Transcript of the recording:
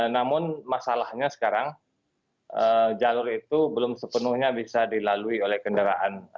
namun masalahnya sekarang jalur itu belum sepenuhnya bisa dilalui oleh kendaraan